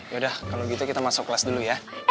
yaudah kalau gitu kita masuk kelas dulu ya